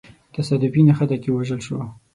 تصادفي نښته کي ووژل سو.